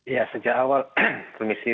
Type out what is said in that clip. ya sejak awal permisi